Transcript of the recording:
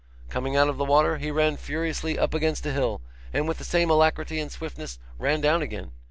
Coming out of the water, he ran furiously up against a hill, and with the same alacrity and swiftness ran down again.